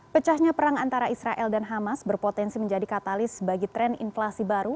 pecahnya perang antara israel dan hamas berpotensi menjadi katalis bagi tren inflasi baru